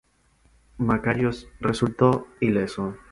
Makarios resultó ileso.